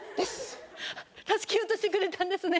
助けようとしてくれたんですね。